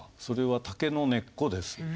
それは竹の根っこです。